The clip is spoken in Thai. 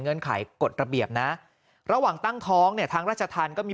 ไขกฎระเบียบนะระหว่างตั้งท้องเนี่ยทางราชธรรมก็มี